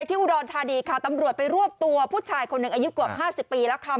ที่อุดรธานีค่ะตำรวจไปรวบตัวผู้ชายคนหนึ่งอายุเกือบ๕๐ปีแล้วค่ะ